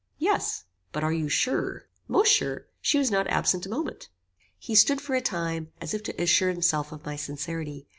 "Yes." "But are you sure?" "Most sure. She was not absent a moment." He stood, for a time, as if to assure himself of my sincerity.